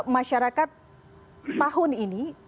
masyarakat tahun ini